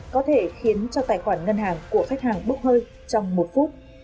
có thể khiến cho tài khoản ngân hàng của khách hàng bốc hơi trong một phút